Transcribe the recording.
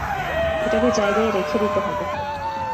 এটাকে জায়গায় রেখে দিতে হবে।